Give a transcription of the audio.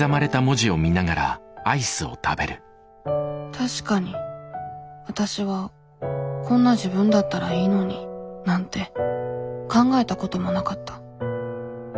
確かにわたしは「こんな自分だったらいいのに」なんて考えたこともなかった。